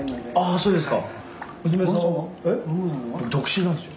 そうですか。